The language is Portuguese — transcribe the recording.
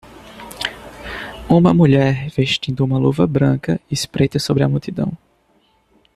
Uma mulher vestindo uma luva branca espreita sobre a multidão.